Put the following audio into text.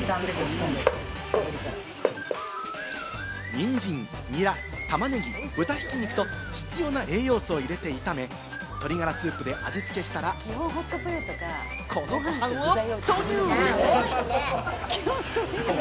ニンジン、ニラ、玉ねぎ、豚挽肉と必要な栄養素を入れて炒め、鶏ガラスープで味付けしたら、このご飯を投入。